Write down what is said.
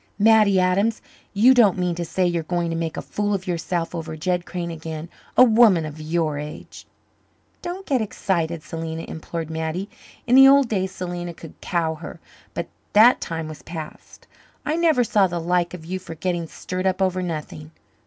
"Mattie Adams! You don't mean to say you're going to make a fool of yourself over Jed Crane again? A woman of your age!" "Don't get excited, Selena," implored Mattie. In the old days Selena could cow her, but that time was past. "I never saw the like of you for getting stirred up over nothing."